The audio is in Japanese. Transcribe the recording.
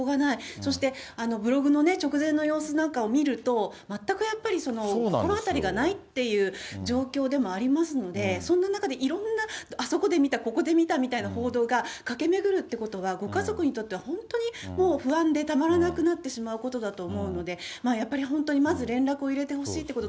そしてブログの直前の様子なんかを見ると、全くやっぱり、心当たりがないっていう状況でもありますんで、そんな中でいろんな、あそこで見た、ここで見たみたいな報道が駆け巡るということは、ご家族にとっては本当にもう不安でたまらなくなってしまうことだと思うので、やっぱり本当にまず連絡を入れてほしいということ。